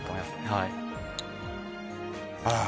はいああ